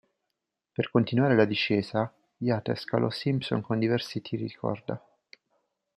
Per continuare la discesa, Yates calò Simpson con diversi tiri di corda.